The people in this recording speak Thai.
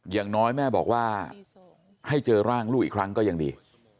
อย่างน้อยแม่บอกว่าให้เจอร่างลูกอีกครั้งก็ยังดี